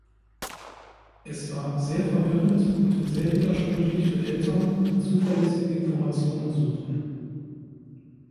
Es war sehr verwirrend und sehr widersprüchlich für Eltern, die zuverlässige Informationen suchten.